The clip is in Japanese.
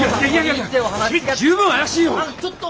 君十分怪しいよ！